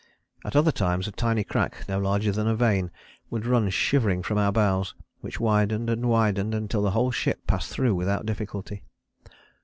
At other times a tiny crack, no larger than a vein, would run shivering from our bows, which widened and widened until the whole ship passed through without difficulty.